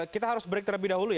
kita harus break terlebih dahulu ya